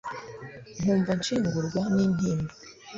Nkumva nshengurwa nintimba